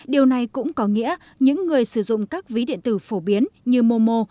điều này cũng có nghĩa những người sử dụng các ví điện tử phổ biến như momo